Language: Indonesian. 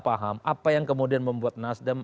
paham apa yang kemudian membuat nasdem